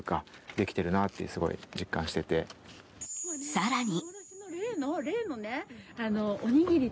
更に。